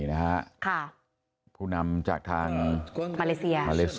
นักสนุนและมีเนื้อ